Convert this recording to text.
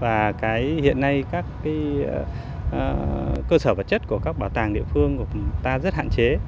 và hiện nay các cơ sở vật chất của các bảo tàng địa phương của chúng ta rất hạn chế